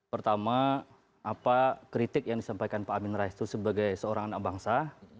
pertama apa kritik yang disampaikan pak amin rais itu sebagai seorang anak bangsa